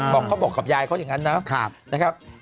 เขาบอกเขาบอกกับยายเขาอย่างนั้นนะครับ